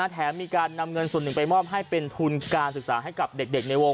แถมมีการนำเงินส่วนหนึ่งไปมอบให้เป็นทุนการศึกษาให้กับเด็กในวง